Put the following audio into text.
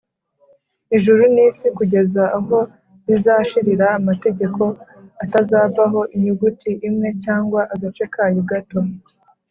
“ijuru n’isi kugeza aho bizashirira, amategeko atazavaho inyuguti imwe cyangwa agace kayo gato